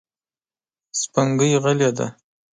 سپوږمۍ غلې ده.